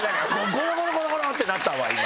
ゴロゴロゴロゴロってなったわ今。